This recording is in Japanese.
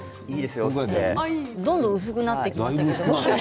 どんどん薄くなってきていますけど。